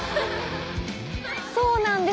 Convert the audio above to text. そうなんです。